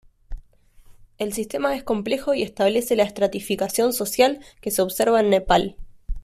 El sistema es complejo y establece la estratificación social que se observa en Nepal.